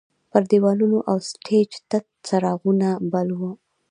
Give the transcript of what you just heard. پر دیوالونو او سټیج تت څراغونه بل وو.